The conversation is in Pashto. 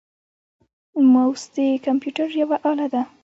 موس د کمپیوټر یوه اله ده.